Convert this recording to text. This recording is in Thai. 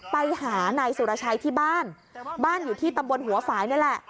ไปหานายสุรชัยที่บ้านบ้านอยู่ที่ตำบลหัวฝ่ายนี่แหละ